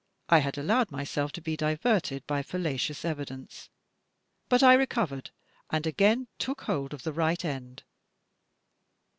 I had allowed myself to be diverted by fallacious evidence; but I recovered and again took hold of the right end."